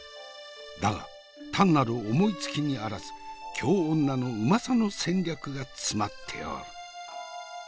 だが単なる思いつきにあらず京女のうまさの戦略が詰まっておる。